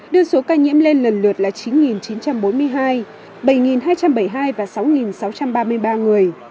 đưa số ca nhiễm lên lần lượt là chín chín trăm bốn mươi hai bảy hai trăm bảy mươi hai và sáu sáu trăm ba mươi ba người